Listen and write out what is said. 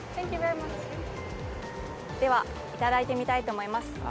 では、いただいてみたいと思います。